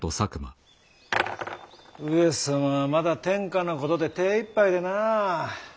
上様はまだ天下のことで手ぇいっぱいでなあ。